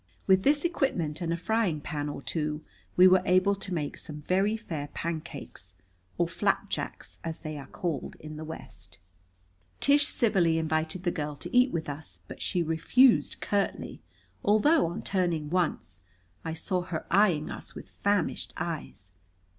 With this equipment and a frying pan or two we were able to make some very fair pancakes or flapjacks, as they are called in the West. Tish civilly invited the girl to eat with us, but she refused curtly, although, on turning once, I saw her eyeing us with famished eyes.